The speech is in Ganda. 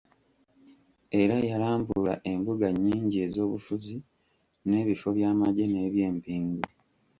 Era yalambula embuga nnyingi ez'obufuzi, n'ebifo by'amagye n'ebyempingu.